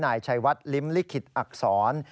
นายชัยวัดลิ้มลิขิตอักษร